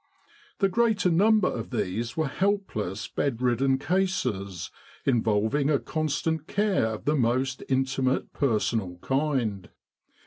The greater number of these were helpless, bed ridden cases, involving constant care of the most inti mate personal kind.